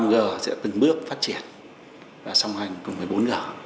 năm g sẽ từng bước phát triển và xong hành cùng với bốn g